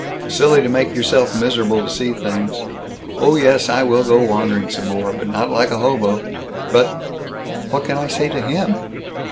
Silly to make yourself miserable to see things. Oh yes, I will go wandering some more, but not like a hobo. But What can I say to him?